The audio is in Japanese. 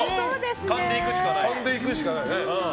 勘でいくしかない。